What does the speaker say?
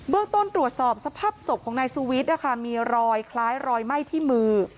ต้นตรวจสอบสภาพศพของนายสุวิทย์นะคะมีรอยคล้ายรอยไหม้ที่มือ